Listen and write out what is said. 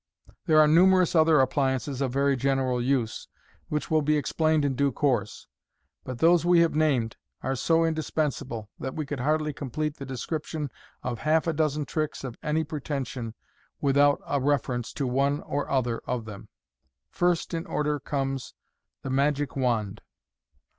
There are numerous other appliances of very general use, which will be explained in due course, but those we have named are so indis pensable that we could hardly complete the description of half a dozen tricks of any pretension without a reference to one or other of them. First in order comes THE MAOIC WAND.